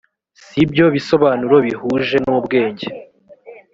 si byo bisobanuro bihuje n ubwenge